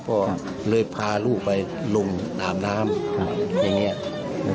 เพราะเลยพาลูกไปลุงอาบน้ำอย่างนี้นะครับ